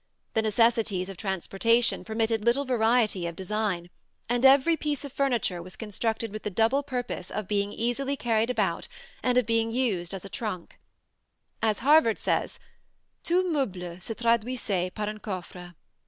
The necessities of transportation permitted little variety of design, and every piece of furniture was constructed with the double purpose of being easily carried about and of being used as a trunk (see Plate I). As Havard says, "Tout meuble se traduisait par un coffre."